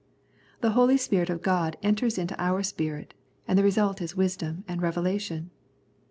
The Holy Spirit of God enters into our spirit, and the result is vdsdom and revelation.